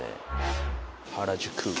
原宿。